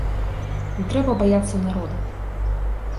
Не трэба баяцца народа.